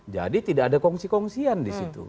jadi tidak ada kongsi kongsian disitu